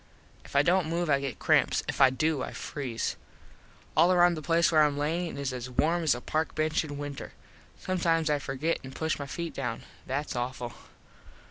If I dont move I get cramps. If I do, I freeze. All around the place where Im lyin is as warm as a park bench in winter. Sometimes I forget and push my feet down. That's awful.